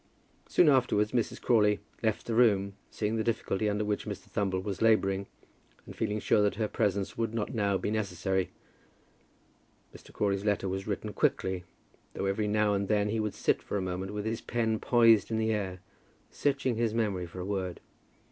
Soon afterwards Mrs. Crawley left the room, seeing the difficulty under which Mr. Thumble was labouring, and feeling sure that her presence would not now be necessary. Mr. Crawley's letter was written quickly, though every now and then he would sit for a moment with his pen poised in the air, searching his memory for a word.